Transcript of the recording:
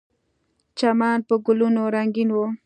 چمن په ګلونو رنګین و.